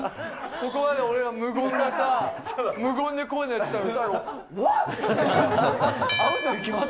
ここまで俺が無言でさ、無言でこういうのをやってたのに、最後、ワン！